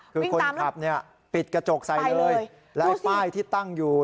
คือคนขับเนี่ยปิดกระจกใส่เลยแล้วไอ้ป้ายที่ตั้งอยู่